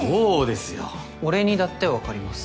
俺にだってわかります。